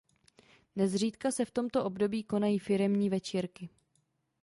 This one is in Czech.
Nezřídka se v tomto období konají firemní večírky.